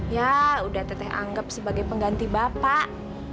ya udah teteh anggap sebagai pengganti bapak